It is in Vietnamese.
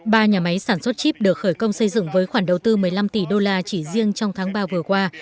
ba nhà máy sản xuất chip được khởi công xây dựng với khoản đầu tư một mươi năm tỷ đô la chỉ riêng trong tháng ba vừa qua